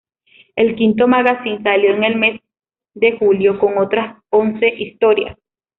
El quinto magacín salió en el mes de julio con otras once historias.